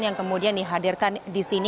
yang kemudian dihadirkan disini